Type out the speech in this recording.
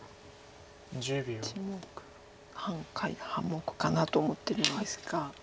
１目半か半目かなと思ってるんですが。